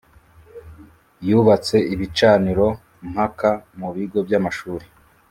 Yubatse ibicaniro mpaka mubigo byamashuri